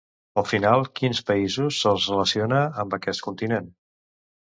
Al final quins països se'ls relaciona amb aquest continent?